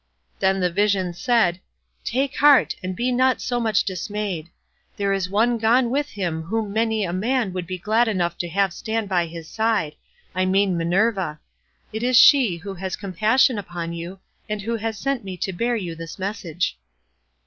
Then the vision said, "Take heart, and be not so much dismayed. There is one gone with him whom many a man would be glad enough to have stand by his side, I mean Minerva; it is she who has compassion upon you, and who has sent me to bear you this message."